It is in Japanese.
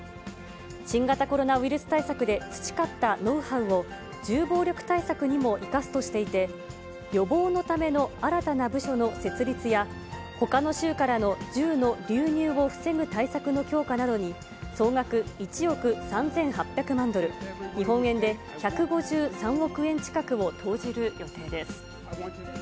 新型コロナウイルス対策で、培ったノウハウを銃暴力対策にも生かすとしていて、予防のための新たな部署の設立や、ほかの州からの銃の流入を防ぐ対策の強化などに総額１億３８００万ドル、日本円で１５３億円近くを投じる予定です。